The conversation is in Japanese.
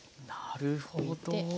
なるほど。